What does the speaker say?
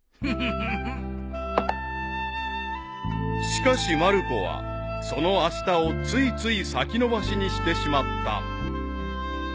［しかしまる子はそのあしたをついつい先延ばしにしてしまった］